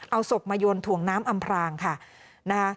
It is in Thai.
เอาศพมาโยนถ่วงน้ำอำพรางค่ะนะคะ